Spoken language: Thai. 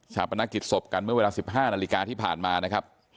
ปนักกิจศพกันเมื่อเวลา๑๕นาฬิกาที่ผ่านมานะครับ